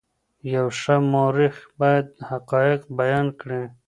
یو ښه مورخ باید حقایق بیان کړي.